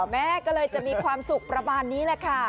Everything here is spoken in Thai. แม่ก็เลยจะมีความสุขประมาณนี้แหละค่ะ